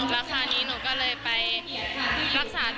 รักษานี้หนูก็เลยไปรักษาต่อ